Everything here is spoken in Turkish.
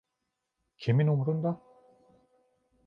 Kimin umurunda?